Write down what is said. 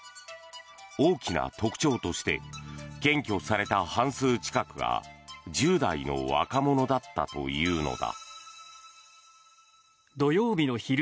大きな特徴として検挙された半数近くが１０代の若者だったというのだ。